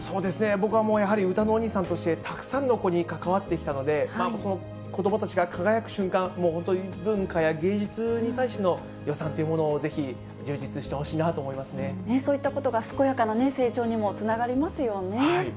僕はもう、やはり歌のお兄さんとして、たくさんの子に関わってきたので、子どもたちが輝く瞬間、本当、文化や芸術に対しての予算というものをぜひ充実してほしいなと思そういったことが健やかな成長にもつながりますよね。